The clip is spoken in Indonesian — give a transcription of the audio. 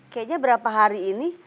kayaknya berapa hari ini